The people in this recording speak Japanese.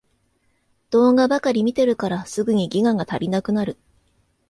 動画ばかり見てるからすぐにギガが足りなくなる